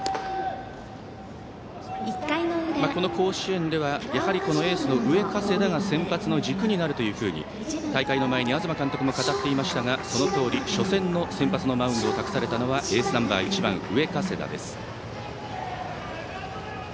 この甲子園ではやはり、エースの上加世田が先発の軸になるというふうに大会の前に東監督も語っていましたがそのとおり、初戦の先発のマウンドを託されたのはエースナンバー１番上加世田です。